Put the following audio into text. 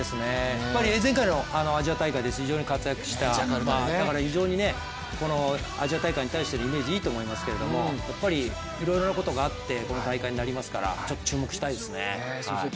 やっぱり前回のアジア大会で非常に活躍した、だから非常に、アジア大会に対してのイメージいいと思いますけどやっぱりいろいろなことがあってこの大会になりますから注目したいですね。